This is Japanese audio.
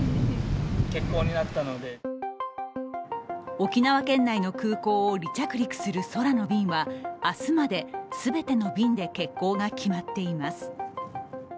沖縄県内の空港を離着陸する空の便便は明日まで全ての便で欠航が決まっています。